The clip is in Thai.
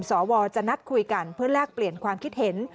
สวจะนัดคุยกันเพื่อแลกเปลี่ยนความคิดเห็น